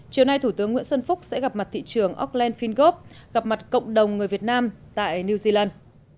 chiều nay thủ tướng nguyễn xuân phúc sẽ gặp mặt thị trường auckland finov gặp mặt cộng đồng người việt nam tại new zealand